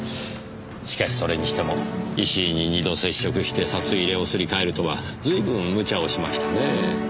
しかしそれにしても石井に二度接触して札入れをすり替えるとは随分無茶をしましたねぇ。